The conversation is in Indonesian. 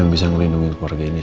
yang bisa melindungi keluarga ini